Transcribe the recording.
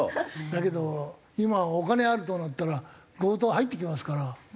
だけど今はお金あるとなったら強盗入ってきますから。